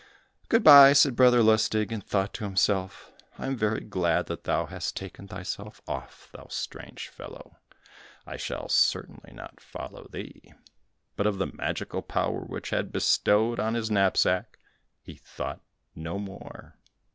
"Good bye," said Brother Lustig, and thought to himself, "I am very glad that thou hast taken thyself off, thou strange fellow; I shall certainly not follow thee." But of the magical power which had been bestowed on his knapsack, he thought no more.